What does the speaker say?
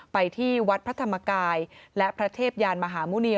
ไปที่วัดพระธรรมกายและพระเทพยานมหาหมุณี